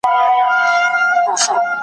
نه غوټۍ سته نه ګلاب یې دی ملګری د خوښیو .